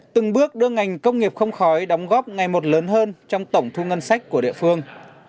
từng bước đưa ngành công nghiệp không khói đóng góp ngày một lớn hơn trong tổng thu ngân sách của địa phương